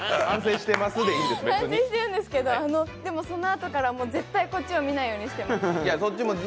反省してるんですけど、そのあとから絶対こっちを見ないようにしてます。